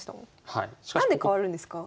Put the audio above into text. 何で変わるんですか？